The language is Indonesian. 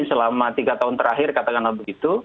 selama tiga tahun terakhir katakanlah begitu